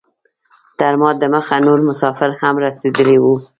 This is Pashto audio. تر ما دمخه نور مسافر هم رسیدلي وو.